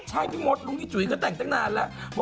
ใช่พี่มดจุ๊ยก็แต่งจุ๊ยก็แต่งนานแล้ว